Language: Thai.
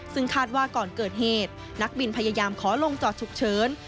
ซึ่งคาดว่าก่อนเกิดเหตุนักบินพยายามขอลงจอดฉุกเฉิน